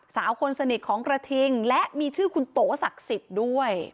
สาวคนสนิทของกระทิงและมีชื่อคุณโตศักดิ์สิทธิ์ด้วย